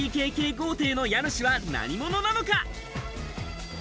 豪邸の家主は何者なのか。